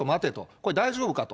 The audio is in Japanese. これ、大丈夫かと。